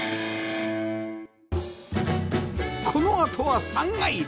このあとは３階